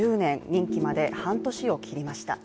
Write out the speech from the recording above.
任期まで半年を切りました。